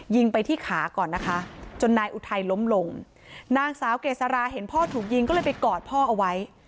ยิงไปที่ขาก่อนนะคะจนนายอุทัยล้มลงนางสาวเกษราเห็นพ่อถูกยิงก็เลยไปกอดพ่อเอาไว้